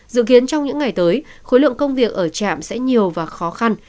dự kiến trong những ngày tới khối lượng công việc ở trạm sẽ nhiều và khó khăn